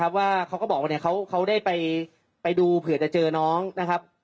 ว่าเขาก็บอกว่าเขาได้ไปดูเผื่อจะเจอน้องนะครับ